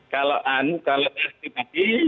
kalau an kalau saya sendiri